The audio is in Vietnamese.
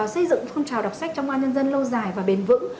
xây dựng khung trào đọc sách cho ngàn nhân dân lâu dài và bền vững